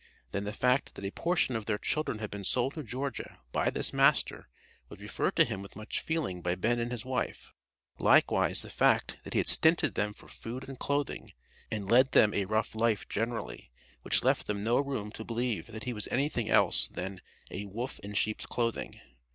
Then the fact that a portion of their children had been sold to Georgia by this master was referred to with much feeling by Ben and his wife; likewise the fact that he had stinted them for food and clothing, and led them a rough life generally, which left them no room to believe that he was anything else than "a wolf in sheep's clothing."